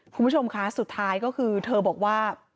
คุณผู้ชมคะสุดท้ายก็คือเธอบอกว่า